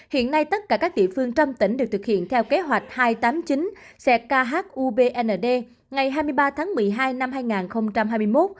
hiện nay tất cả các địa phương trong tỉnh được thực hiện theo kế hoạch hai trăm tám mươi chín xe khubnd ngày hai mươi ba tháng một mươi hai năm hai nghìn hai mươi một